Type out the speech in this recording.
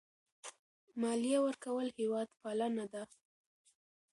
مالیه ورکول هېوادپالنه ده.